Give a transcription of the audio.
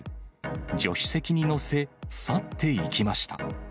助手席に載せ、去っていきました。